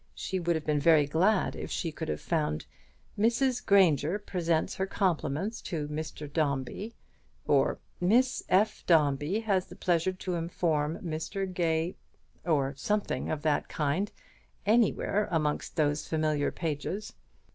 She would have been very glad if she could have found "Mrs. Grainger presents her compliments to Mr. Dombey," or "Miss F. Dombey has the pleasure to inform Mr. Gay " or something of that kind, anywhere amongst those familiar pages.